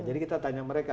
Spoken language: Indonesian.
jadi kita tanya mereka